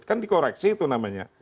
kan dikoreksi itu namanya